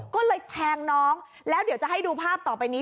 ก็เลยแทงน้องแล้วเดี๋ยวจะให้ดูภาพต่อไปนี้